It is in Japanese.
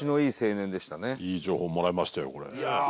「いい情報もらいましたよこれ」